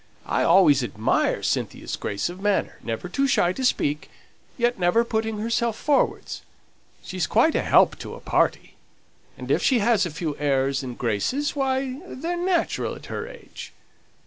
I always admire Cynthia's grace of manner, never too shy to speak, yet never putting herself forwards; she's quite a help to a party; and if she has a few airs and graces, why they're natural at her age!